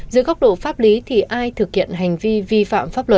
dưới góc độ pháp lý thì ai thực hiện hành vi vi phạm